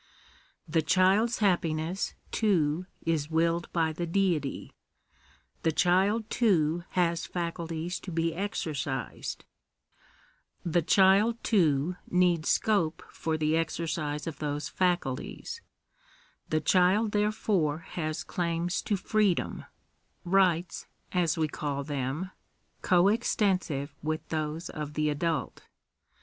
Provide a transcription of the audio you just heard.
The child's \ happiness, too, is willed by the Deity ; the child, too, has facul ties to be exercised ; the child, too, needs scope for the exercise of those faculties ; the child therefore has claims to freedom — rights, as we call them — co extensive with those of the adult.